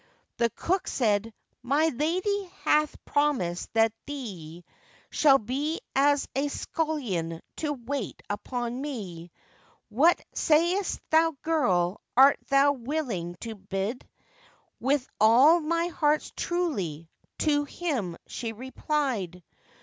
The cook said, 'My lady hath promised that thee Shall be as a scullion to wait upon me; What say'st thou girl, art thou willing to bide?' 'With all my heart truly,' to him she replied.